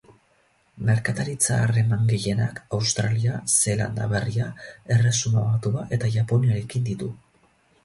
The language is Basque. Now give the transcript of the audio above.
Merkataritza-harreman gehienak Australia, Zeelanda Berria, Erresuma Batua eta Japoniarekin ditu.